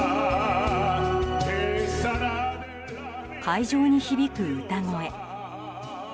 会場に響く歌声。